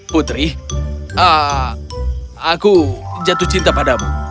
putri aku jatuh cinta padamu